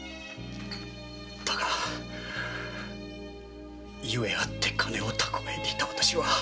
だが故あって金を貯えていた私は。